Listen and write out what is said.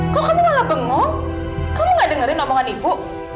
kok kamu malah bengo kamu gak dengerin omongan ibu